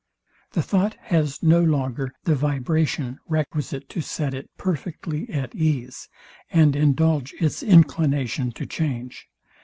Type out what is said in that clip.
The thought has no longer the vibration, requisite to set it perfectly at ease, and indulge its inclination to change.